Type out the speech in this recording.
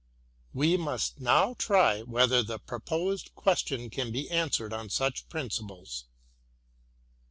We must now try whether the proposed question can be answered on such principles.